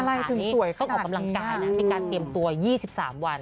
กินอะไรถึงสวยขนาดนี้ต้องออกกำลังกายนะมีการเตรียมตัว๒๓วัน